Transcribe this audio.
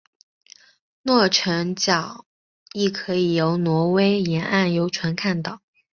诺尔辰角亦可以由挪威沿岸游船看到。